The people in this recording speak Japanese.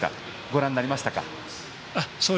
ご覧になりましたか？